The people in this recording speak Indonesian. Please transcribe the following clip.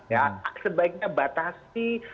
ya sebaiknya batasi